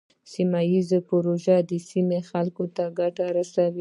سیمه ایزې پروژې د سیمې خلکو ته ګټه رسوي.